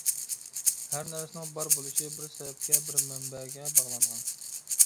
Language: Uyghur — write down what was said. ھەر نەرسىنىڭ بار بولۇشى بىر سەۋەبكە، بىر مەنبەگە باغلانغان.